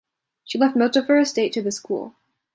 She left most of her estate to the school.